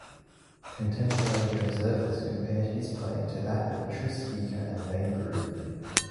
Contemporary observers compared his play to that of Tris Speaker and Babe Ruth.